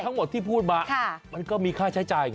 ทั้งหมดที่พูดมามันก็มีค่าใช้จ่ายไง